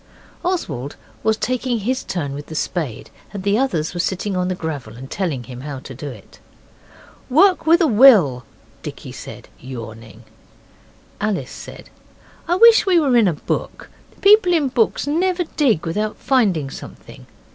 Oswald was taking his turn with the spade, and the others were sitting on the gravel and telling him how to do it. 'Work with a will,' Dicky said, yawning. Alice said, 'I wish we were in a book. People in books never dig without finding something.